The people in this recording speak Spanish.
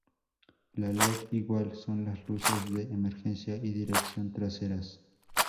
A led igual son las luces de emergencia y dirección traseras.